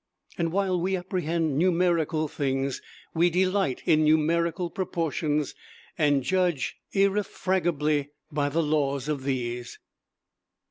And while we apprehend numerical things, we delight in numerical proportions, and judge irrefragably by the laws of these....